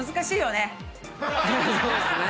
そうですね。